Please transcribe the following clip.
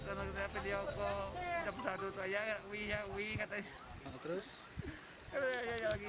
ternyata di jokowi jam satu itu aja wih ya wih kata istri